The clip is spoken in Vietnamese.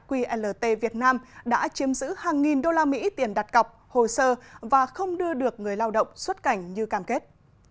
qlt việt nam đã chiếm giữ hàng nghìn đô la mỹ tiền đặt cọc hồ sơ và không đưa được người lao động xuất cảnh như cam kết